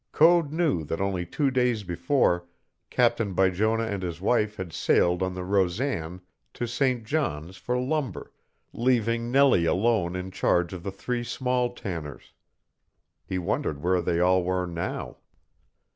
Code knew that only two days before Captain Bijonah and his wife had sailed in the Rosan to St. John's for lumber, leaving Nellie alone in charge of the three small Tanners. He wondered where they all were now.